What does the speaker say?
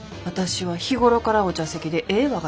私は日頃からお茶席でええ